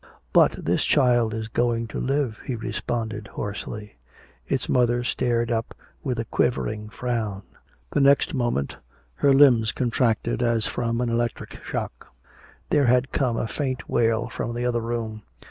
"But this child is going to live," he responded hoarsely. Its mother stared up with a quivering frown. The next moment her limbs contracted as from an electric shock. There had come a faint wail from the other room.